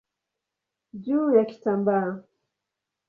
juu ya kitambaa.